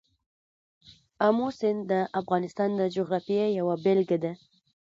آمو سیند د افغانستان د جغرافیې یوه بېلګه ده.